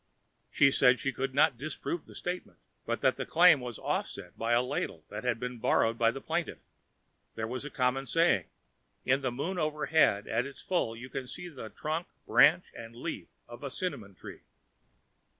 She said she could not disprove the statement, but that the claim was offset by a ladle that had been borrowed by the plaintiff. There was a common saying: In the moon overhead, at its full, you can see The trunk, branch, and leaf of a cinnamon tree.